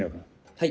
はい。